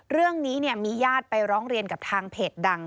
เรื่องนี้มีญาติไปร้องเรียนกับทางเพจดัง